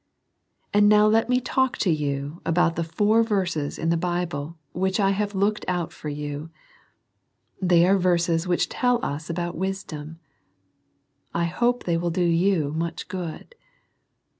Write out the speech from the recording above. And now let me talk to you about the four verses in the Bible which I have looked out for you. They are verses which tell us about wis dom. I hope they will do you much good.